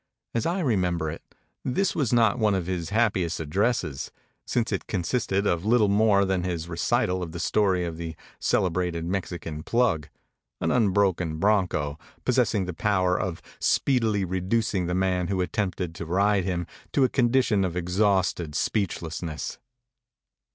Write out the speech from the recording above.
As I remember it, this was not one of his happiest addresses, since it consisted of little more than his recital of the story of the ' Celebrated Mexi can Plug/ an unbroken broncho, possessing the power of speedily reducing the man who at tempted to ride him to a condition of exhausted speechlessness.